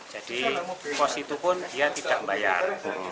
jadi pos itu pun dia tidak bayar